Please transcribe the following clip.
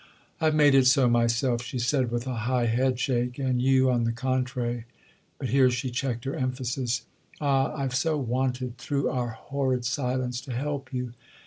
"I've made it so myself," she said with a high head shake, "and you, on the contrary—!" But here she checked her emphasis. "Ah, I've so wanted, through our horrid silence, to help you!"